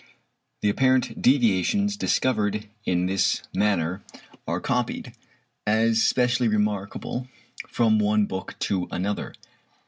The apparent deviations discovered in this manner are copied, as specially remarkable, from one book to another.